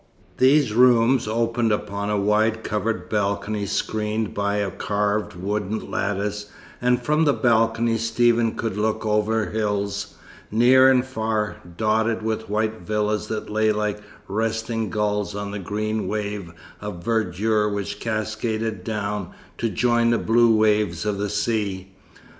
These rooms opened upon a wide covered balcony screened by a carved wooden lattice and from the balcony Stephen could look over hills, near and far, dotted with white villas that lay like resting gulls on the green wave of verdure which cascaded down to join the blue waves of the sea.